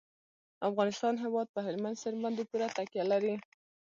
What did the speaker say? د افغانستان هیواد په هلمند سیند باندې پوره تکیه لري.